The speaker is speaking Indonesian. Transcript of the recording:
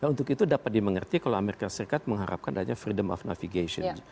untuk itu dapat dimengerti kalau amerika serikat mengharapkan adanya freedom of navigation